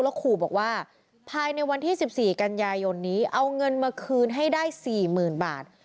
ขู่บอกว่าภายในวันที่๑๔กันยายนนี้เอาเงินมาคืนให้ได้๔๐๐๐บาท